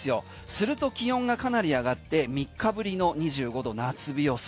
すると気温がかなり上がって３日ぶりの２５度夏日予想。